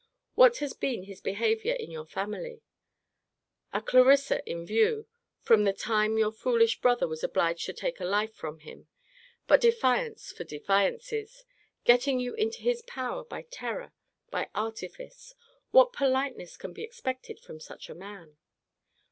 What has been his behaviour in your family? a CLARISSA in view, (from the time your foolish brother was obliged to take a life from him,) but defiance for defiances. Getting you into his power by terror, by artifice. What politeness can be expected from such a man?